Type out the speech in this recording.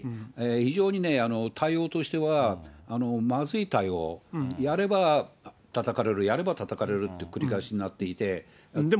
非常に対応としてはまずい対応、やればたたかれる、やればたたかれるの繰り返しになっていて。